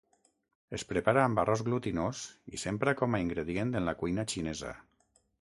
Es prepara amb arròs glutinós i s'empra com a ingredient en la cuina xinesa.